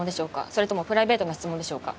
それともプライベートな質問でしょうか？